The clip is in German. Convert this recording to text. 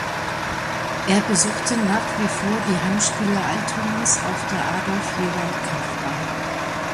Er besuchte nach wie vor die Heimspiele Altonas auf der Adolf-Jäger-Kampfbahn.